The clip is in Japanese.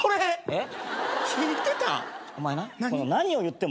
えっ！？